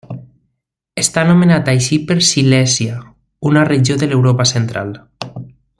Està nomenat així per Silèsia, una regió de l'Europa central.